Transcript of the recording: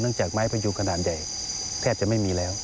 จากไม้พยุงขนาดใหญ่แทบจะไม่มีแล้ว